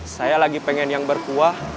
saya lagi pengen yang berkuah